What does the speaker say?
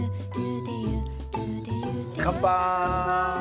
乾杯！